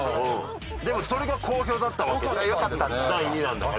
でもそれが好評だったわけで第２弾だから。